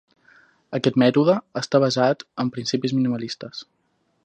Aquest mètode està basat en principis minimalistes.